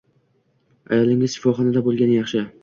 Ayolingiz shifoxonada bo`lgani yaxshi